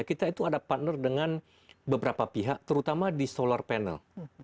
kita itu ada partner dengan beberapa pihak terutama di solar panel